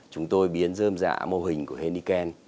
chúng tôi biến dơm dạ mô hình của heniken